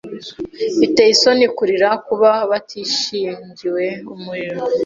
Biteye isoni kurira kuba batishingiwe umuriro.